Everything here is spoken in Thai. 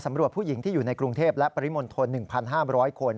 ผู้หญิงที่อยู่ในกรุงเทพและปริมณฑล๑๕๐๐คน